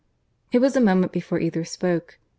(II) It was a moment before either spoke.